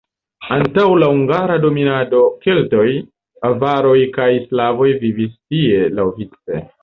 Antaŭ la hungara dominado keltoj, avaroj kaj slavoj vivis tie laŭvice.